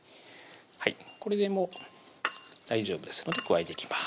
これで大丈夫ですので加えていきます